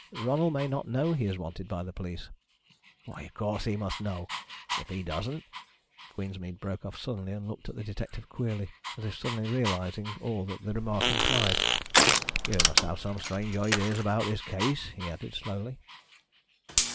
"Ronald may not know he is wanted by the police." "Why, of course he must know. If he doesn't " Queensmead broke off suddenly and looked at the detective queerly, as if suddenly realising all that the remark implied. "You must have some strange ideas about this case," he added slowly.